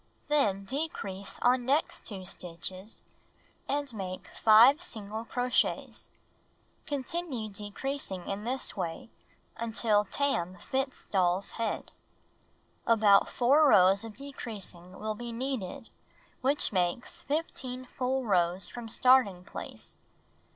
Then decrease on next 2 stitches and make 5 single crochets. Continue decreasing in this way until tam fits doll's head. About 4 rows of decreasing will be needed, which makes „^ 15 full rows from starting place.